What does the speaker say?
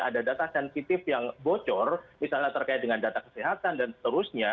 ada data sensitif yang bocor misalnya terkait dengan data kesehatan dan seterusnya